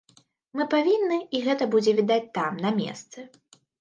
Мы павінны, і гэта будзе відаць там, на месцы.